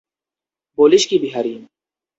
বলিস কী বিহারী।